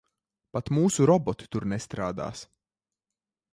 Pat mūsu roboti tur nestrādās.